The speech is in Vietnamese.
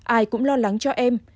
ai cũng lo lắng cho em